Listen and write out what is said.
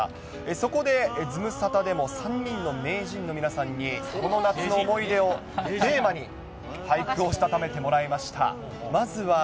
そこでズムサタでも３人の名人の皆さんに、この夏の思い出をテーマに、俳句をしたためてもらいました。